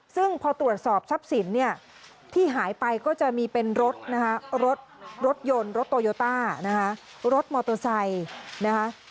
ซึ่งพอตรวจสอบทรัพย์สินที่หายไปก็จะมีเป็นรถรถยนต์รถโตโยต้ารถมอเตอร์ไซค์